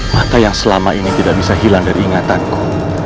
maka yang selama ini tidak bisa hilang dari ingatanku